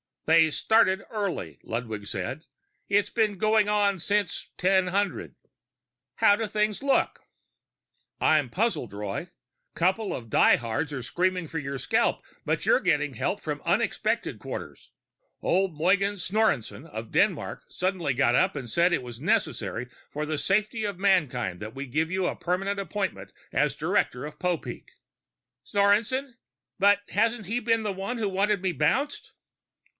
"They started early," Ludwig said. "It's been going on since 1000." "How do things look?" "I'm puzzled, Roy. Couple of die hards are screaming for your scalp, but you're getting help from unexpected quarters. Old Mogens Snorreson of Denmark suddenly got up and said it was necessary for the safety of mankind that we give you a permanent appointment as director of Popeek." "Snorreson? But hasn't he been the one who wanted me bounced?"